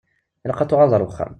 Ilaq ad tuɣaleḍ ar uxxam.